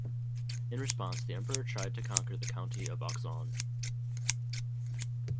In response the Emperor tried to conquer the County of Auxonne.